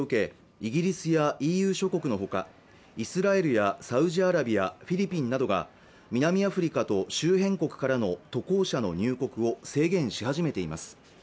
イギリスやＥＵ諸国のほかイスラエルやサウジアラビアフィリピンなどが南アフリカと周辺国からの渡航者の入国を制限し始めています